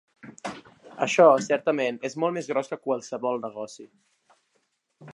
Això, certament, és molt més gros que qualsevol negoci.